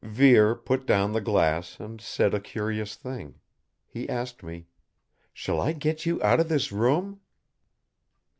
Vere put down the glass and said a curious thing. He asked me: "Shall I get you out of this room?"